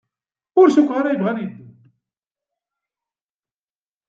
Ur cukkeɣ ara yebɣa ad yeddu.